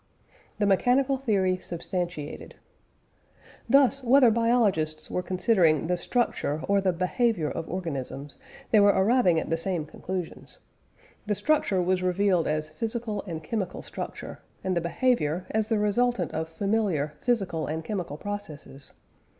THE MECHANICAL THEORY SUBSTANTIATED. Thus, whether biologists were considering the structure or the behaviour of organisms, they were arriving at the same conclusions. The structure was revealed as physical and chemical structure, and the behaviour as the resultant of familiar physical and chemical processes.